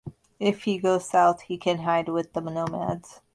If he goes south, he can hide with the nomads.